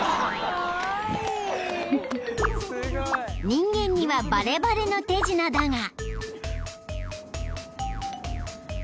［人間にはバレバレの手品だが］